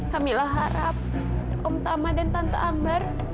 kamila harap om tama dan tante ambar